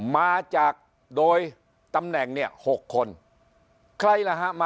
มาจากโดยตำแหน่งเนี่ย๖คนนะครับ